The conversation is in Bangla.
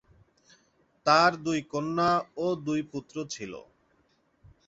তার দুই কন্যা ও দুই পুত্র ছিল।